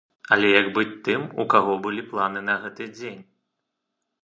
Але як быць тым, у каго былі планы на гэты дзень?